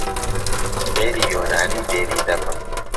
فێری یۆنانیی دێرین دەبم.